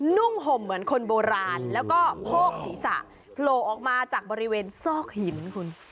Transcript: นุ่งห่มเหมือนคนโบราณแล้วก็โพกศีรษะโผล่ออกมาจากบริเวณซอกหินคุณ